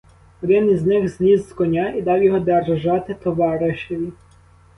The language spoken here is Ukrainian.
Один із них зліз з коня і дав його держати товаришеві.